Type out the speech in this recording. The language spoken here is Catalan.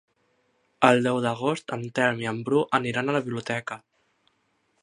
El deu d'agost en Telm i en Bru aniran a la biblioteca.